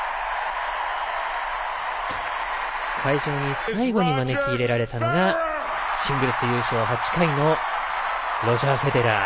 会場に最後に招き入れられたのがシングルス優勝８回のロジャー・フェデラー。